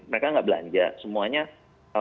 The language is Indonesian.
mereka tidak belanja semuanya